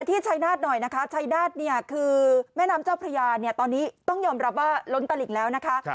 ที่ชัยนาฏหน่อยนะคะชัยนาฏเนี่ยคือแม่น้ำเจ้าพระยาเนี่ยตอนนี้ต้องยอมรับว่าล้นตลิ่งแล้วนะคะ